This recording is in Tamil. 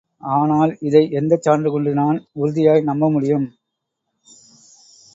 ஆனால், இதை எந்தச் சான்றுகொண்டு நான் உறுதியாய் நம்ப முடியும்?